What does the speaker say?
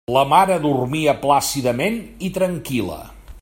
La mare dormia plàcidament i tranquil·la.